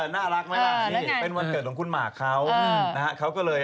น่ารักวันเกิดของคุณหมะเขา